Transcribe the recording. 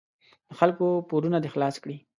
د خلکو پورونه دې خلاص کړي.